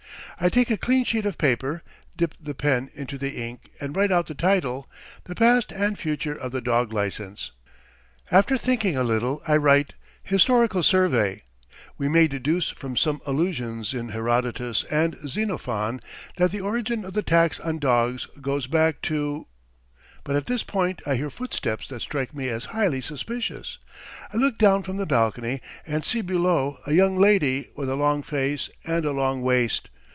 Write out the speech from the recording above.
I take a clean sheet of paper, dip the pen into the ink, and write out the title: "The Past and Future of the Dog Licence." After thinking a little I write: "Historical Survey. We may deduce from some allusions in Herodotus and Xenophon that the origin of the tax on dogs goes back to ...." But at that point I hear footsteps that strike me as highly suspicious. I look down from the balcony and see below a young lady with a long face and a long waist.